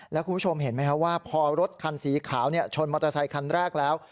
แล้วคุณผู้ชมเห็นไหมครับว่าพอรถคันสีขาวชนมอเตอร์ไซคันแรกแล้ว